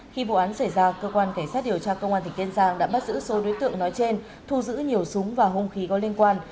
khi vụ án xảy ra cơ quan cảnh sát điều tra công an tỉnh kiên giang đã bắt giữ số đối tượng nói trên thu giữ nhiều súng và hông khí có liên quan